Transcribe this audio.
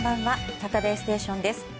「サタデーステーション」です。